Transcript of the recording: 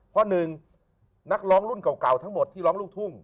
เพราะหนึ่งนักร้องรุ่นเก่าทั้งหมดที่ร้องลูกทุ่ง